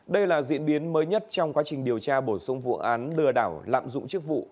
đây là diễn biến mới nhất trong quá trình điều tra bổ sung vụ án lừa đảo lạm dụng chức vụ